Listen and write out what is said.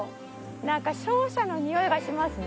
なんか勝者のにおいがしますね。